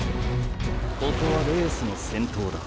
ここはレースの先頭だ。